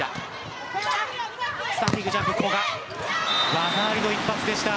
技ありの一発でした。